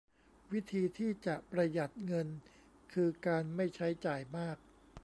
วิธีที่จะประหยัดเงินคือการไม่ใช้จ่ายมาก